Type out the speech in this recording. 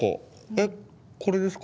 えっこれですか？